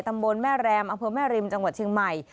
ตำบลแม่แรมอำเภอแม่ริมจังหวัดเชียงใหม่